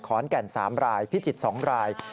ขอนแก่น๓รายพิจิตร๒ราย